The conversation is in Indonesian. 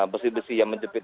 besi besi yang menjepit